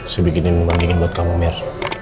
sibik ini memang dingin buat kamu mir